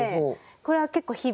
これは結構日々。